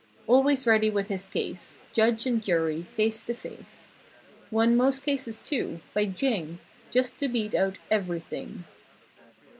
Always ready with his case— Judge and jury, face to face. Won most cases, too—By jing! Just to beat out everything.